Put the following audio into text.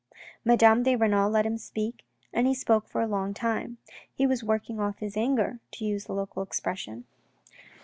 Madame de Renal let him speak and he spoke for a long time. He was working off his anger, to use the local expression.